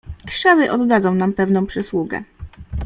"Krzewy oddadzą nam pewną przysługę."